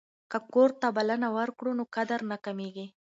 که کور ته بلنه ورکړو نو قدر نه کمیږي.